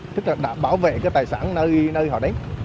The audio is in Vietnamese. tức là bảo vệ tài sản nơi họ đến